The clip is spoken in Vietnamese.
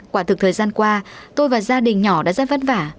quả thực thời gian qua tôi và gia đình nhỏ đã rất vất vả